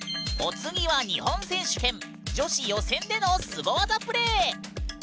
お次は日本選手権女子予選でのスゴ技プレイ！